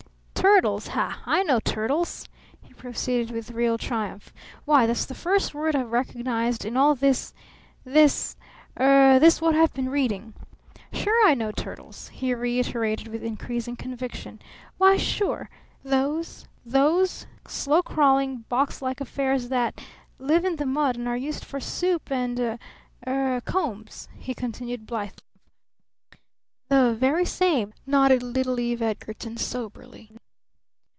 "Turtles! Ha! I know turtles!" he proceeded with real triumph. "Why, that's the first word I've recognized in all this this er this what I've been reading! Sure I know turtles!" he reiterated with increasing conviction. "Why, sure! Those those slow crawling, box like affairs that live in the mud and are used for soup and er combs," he continued blithely. "The very same," nodded little Eve Edgarton soberly.